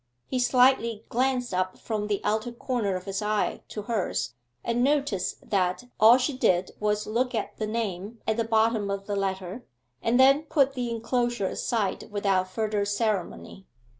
He slyly glanced up from the outer corner of his eye to hers, and noticed that all she did was look at the name at the bottom of the letter, and then put the enclosure aside without further ceremony.